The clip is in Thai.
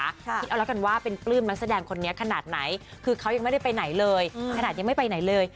คิดเอาแล้วกันว่าเป็นปลื้มนักแสดงคนนี้ขนาดไหนคือเขายังไม่ได้ไปไหนเลยขนาดยังไม่ไปไหนเลย